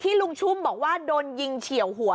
ลุงชุ่มบอกว่าโดนยิงเฉียวหัว